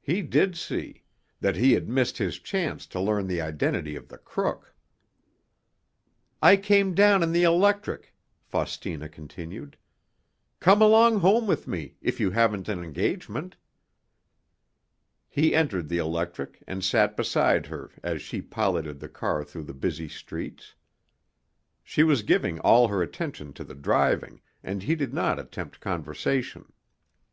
He did see—that he had missed his chance to learn the identity of the crook. "I came down in the electric," Faustina continued. "Come along home with me, if you haven't an engagement." He entered the electric and sat beside her as she piloted the car through the busy streets. She was giving all her attention to the driving, and he did not attempt conversation.